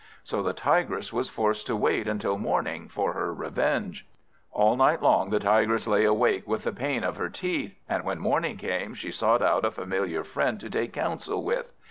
So the Tigress was forced to wait until morning for her revenge. All night long the Tigress lay awake with the pain of her teeth; and when morning came, she sought out a familiar friend to take counsel with.